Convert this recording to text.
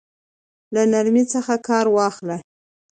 له نرمۍ څخه كار واخله!